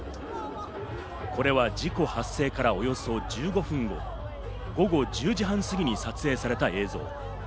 これは事故発生からおよそ１５分後、午後１０時半過ぎに撮影された映像。